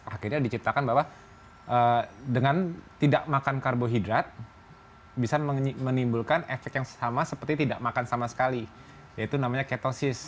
akhirnya diciptakan bahwa dengan tidak makan karbohidrat bisa menimbulkan efek yang sama seperti tidak makan sama sekali yaitu namanya ketosis